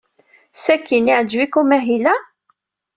Sakkin yeɛjeb-ik umahil-a?